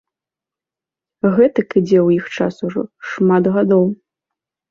Гэтак ідзе ў іх час ужо шмат гадоў.